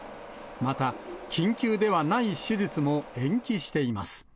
また、緊急ではない手術も延期しています。